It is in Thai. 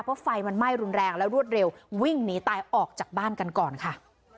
เพราะไฟมันไหม้รุนแรงและรวดเร็ววิ่งหนีตายออกจากบ้านกันก่อนค่ะ